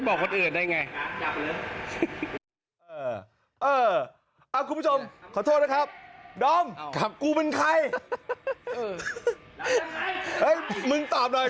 มึงก็ถามสิมานั่งคุยอยู่ได้